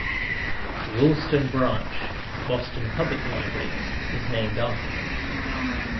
The Allston branch of the Boston Public Library is named after him.